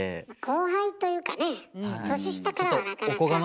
後輩というかね年下からはなかなか。